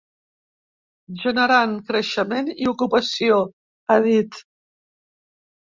Generant creixement i ocupació, ha dit.